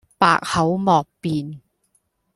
百口莫辯